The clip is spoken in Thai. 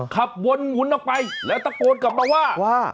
ขับวนหมุนออกไปแล้วตะโกนกลับมาว่าว่า